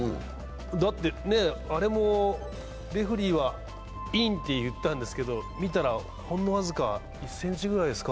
だってあれも、レフェリーはインと言ったんですけど見たら、ほんの僅か１ｃｍくらいですか。